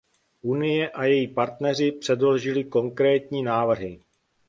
Unie a její partneři předložili konkrétní návrhy.